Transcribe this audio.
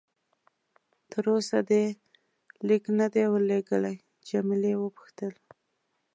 تر اوسه دې لیک نه دی ورلېږلی؟ جميله وپوښتل.